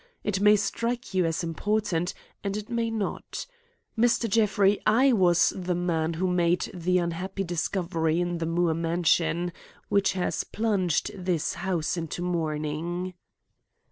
It may strike you as important, and it may not. Mr. Jeffrey, I was the man who made the unhappy discovery in the Moore mansion, which has plunged this house into mourning."